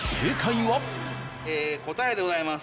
ええ答えでございます。